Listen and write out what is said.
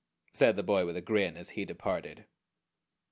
said the boy, with a grin, as he departed.